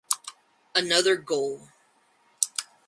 Another Goal!